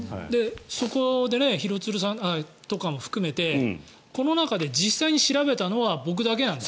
そこで廣津留さんとかも含めてこの中で実際に調べたのは僕だけなんです。